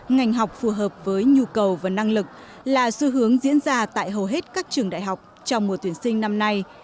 ngành học phù hợp với nhu cầu và năng lực là xu hướng diễn ra tại hầu hết các trường đại học trong mùa tuyển sinh năm nay